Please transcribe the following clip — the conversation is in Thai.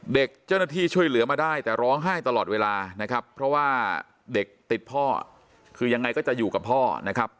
เจ้าหน้าที่ช่วยเหลือมาได้แต่ร้องไห้ตลอดเวลานะครับเพราะว่าเด็กติดพ่อคือยังไงก็จะอยู่กับพ่อนะครับ